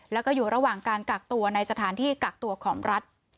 แล้วก็อยู่ระหว่างการกักตัวในสถานที่กักตัวของรัฐ